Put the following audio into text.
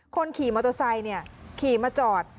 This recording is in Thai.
คนขี่มอโตไซค์นี่ขี่มาจอด